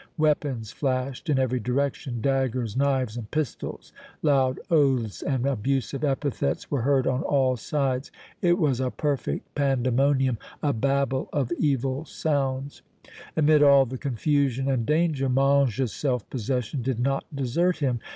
Weapons flashed in every direction daggers, knives and pistols. Loud oaths and abusive epithets were heard on all sides; it was a perfect pandemonium, a babel of evil sounds. Amid all the confusion and danger Mange's self possession did not desert him.